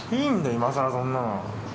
今更そんなの。